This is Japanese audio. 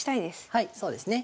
はいそうですね。